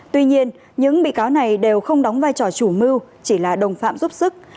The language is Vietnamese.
tuy nhiên những bị cáo này đều không đóng vai trò chủ mưu chỉ là đồng phạm giúp sức